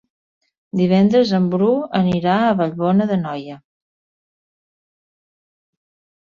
Divendres en Bru anirà a Vallbona d'Anoia.